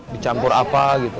dicampur apa gitu